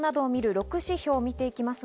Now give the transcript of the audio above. ６指標を見ていきます。